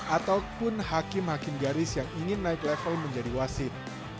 ataupun hakim hakim garis yang ingin naik level menjadi wasit